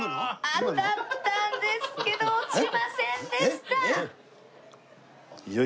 当たったんですけど落ちませんでした。